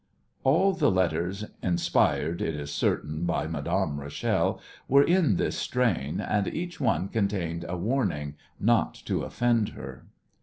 All the letters, inspired, it is certain, by Madame Rachel, were in this strain, and each one contained a warning not to offend her.